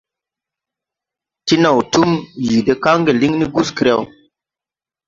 Ti naw tum yii de kaŋge liŋ ni Guskreo.